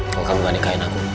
kalau kamu gak nikahin aku